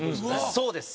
そうです。